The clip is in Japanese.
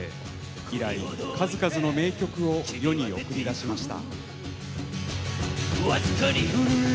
以来、数々の名曲を世に送り出しました。